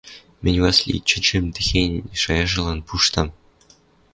Мӹнь Васли чӹчӹм техень шаяжылан пуштам!..